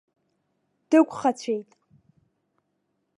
Дықәхацәеит.